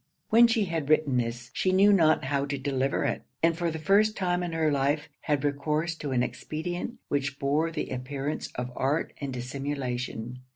When she had written this, she knew not how to deliver it; and for the first time in her life had recourse to an expedient which bore the appearance of art and dissimulation.